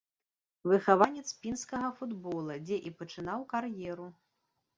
Выхаванец пінскага футбола, дзе і пачынаў кар'еру.